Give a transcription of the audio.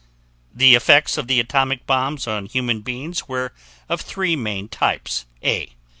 The effects of the atomic bombs on human beings were of three main types: A.